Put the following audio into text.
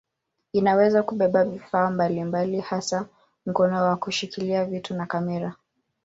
Inaweza kubeba vifaa mbalimbali hasa mkono wa kushikilia vitu na kamera.